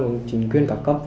và chính quyền cả cấp